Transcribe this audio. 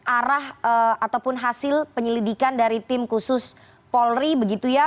arah ataupun hasil penyelidikan dari tim khusus polri begitu ya